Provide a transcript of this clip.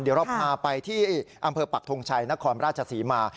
เดี๋ยวเราพาไปที่อำเภอปักทงชัยนครราชศรีมา